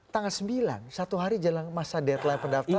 tanggal sembilan satu hari jelang masa deadline pendaftaran